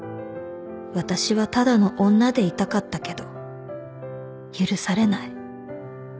「私はただの女でいたかったけど許されない」